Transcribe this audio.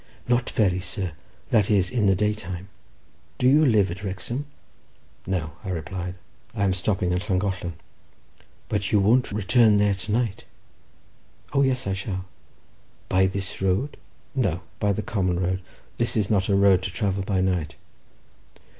"Not very, sir; that is, in the day time. Do you live at Wrexham?" "No," I replied, "I am stopping at Llangollen." "But you won't return there to night?" "O yes, I shall!" "By this road?" "No, by the common road. This is not a road to travel by night."